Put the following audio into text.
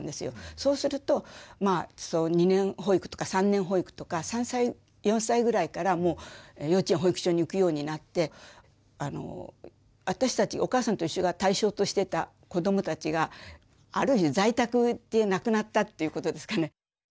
そうするとまあ２年保育とか３年保育とか３歳４歳ぐらいからもう幼稚園保育所に行くようになって私たち「おかあさんといっしょ」が対象としてたこどもたちがある意味在宅でなくなったっていうことですかね。